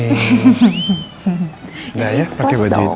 udah ya pake baju itu